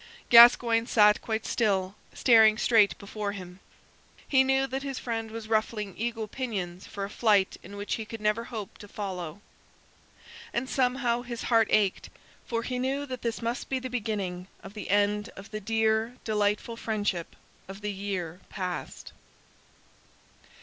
Gascoyne sat quite still, staring straight before him. He knew that his friend was ruffling eagle pinions for a flight in which he could never hope to follow, and somehow his heart ached, for he knew that this must be the beginning of the end of the dear, delightful friendship of the year past.